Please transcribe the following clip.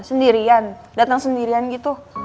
sendirian datang sendirian gitu